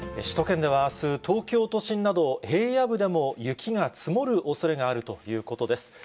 首都圏では、あす、東京都心など、平野部でも雪が積もるおそれがあるということです。